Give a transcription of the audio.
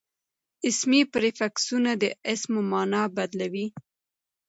اسمي پریفکسونه د اسمو مانا بدلوي.